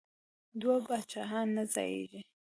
دوه پاچاهان نه ځاییږي.